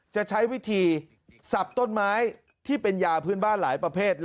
จะใช้วิธีสับต้นไม้ที่เป็นยาพื้นบ้านหลายประเภท